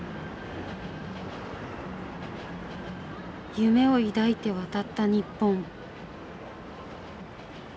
夢を抱いて渡った日本。